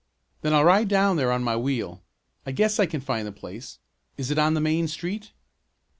"Then I'll ride down there on my wheel. I guess I can find the place. Is it on the main street?"